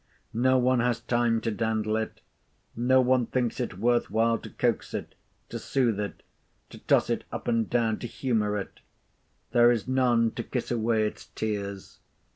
No one has time to dandle it, no one thinks it worth while to coax it, to soothe it, to toss it up and down, to humour it. There is none to kiss away its tears.